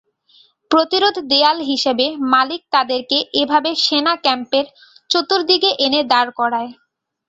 প্রতিরোধ দেয়াল হিসেবে মালিক তাদেরকে এভাবে সেনা ক্যাম্পের চতুর্দিকে এনে দাঁড় করায়।